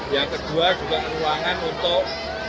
yang kedua juga ruangan untuk